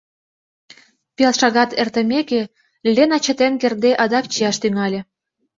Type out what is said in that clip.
Пел шагат эртымеке, Лена чытен кертде адак чияш тӱҥале.